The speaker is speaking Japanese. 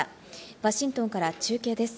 ワシントンから中継です。